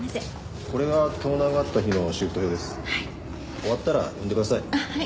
終わったら呼んでください。